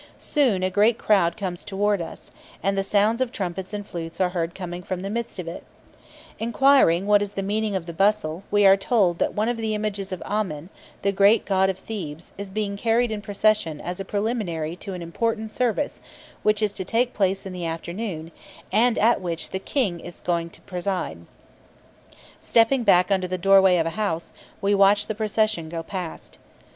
Soon a great crowd comes towards us, and the sounds of trumpets and flutes are heard coming from the midst of it. Inquiring what is the meaning of the bustle, we are told that one of the images of Amen, the great god of Thebes, is being carried in procession as a preliminary to an important service which is to take place in the afternoon, and at which the King is going to preside. Stepping back under the doorway of a house, we watch the procession go past.